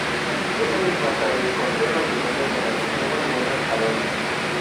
Dos años más tarde, contrae matrimonio con Asunción Balbuena Alonso.